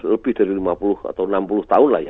lebih dari lima puluh atau enam puluh tahun lah ya